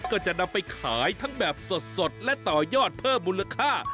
ก็จะนำไปขายทั้งแบบสดและต่อยอดเพิ่มมูลค่า